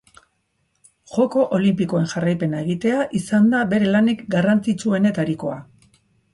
Joko olinpikoen jarraipena egitea izan da bere lanik garrantzitsuenetarikoa.